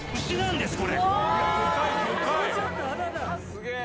すげえ。